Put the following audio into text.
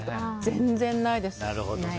全然ないです。